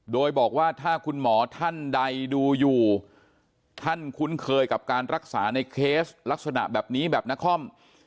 โดยบอกว่าถ้าคุณหมอท่านใดดูอยู่ท่านคุ้นเคยกับการรักษาในเคสลักษณะแบบนี้แบบนคร